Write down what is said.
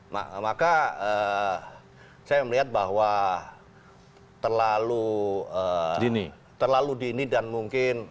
nah maka saya melihat bahwa terlalu dini dan mungkin